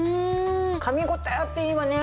かみ応えあっていいわね。